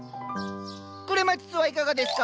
クレマチスはいかがですか？